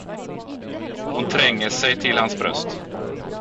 Hon tränger sig till hans bröst.